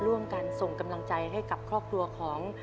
ร่วมกันส่งกำลังใจให้กับครอบครัวของ